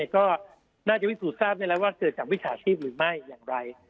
ก็น่าจะพิสูจน์ทราบได้แล้วว่าเกิดจากมิจฉาชีพหรือไม่อย่างไร